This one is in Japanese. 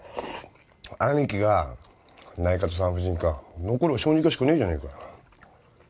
兄貴が内科と産婦人科残るは小児科しかねえじゃねえか